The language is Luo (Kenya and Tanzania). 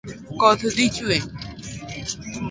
Koth dhi chwe